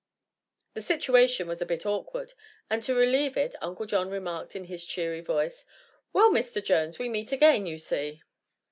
The situation was a bit awkward, and to relieve it Uncle John remarked in his cheery voice: "Well, Mr. Jones, we meet again, you see."